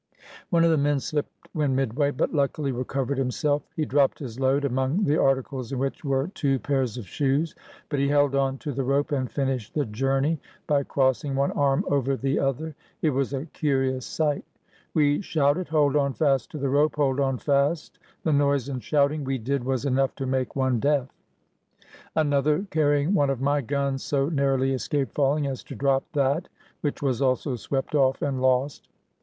One of the men slipped when midway, but luckily re covered himself. He dropped his load, among the articles in which were two pairs of shoes; but he held on to the rope and finished the "journey" by crossing one arm over the other. It was a curious sight. We shouted, "Hold on fast to the rope! hold on fast!" The noise and shouting we did was enough to make one deaf. 425 WESTERN AND CENTRAL AFRICA Another, carrying one of my guns, so narrowly es caped falling as to drop that, which was also swept off and lost.